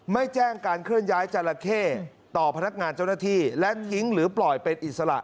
ไม่แจ้งการเคลื่อนย้ายจราเข้ต่อพนักงานเจ้าหน้าที่และทิ้งหรือปล่อยเป็นอิสระ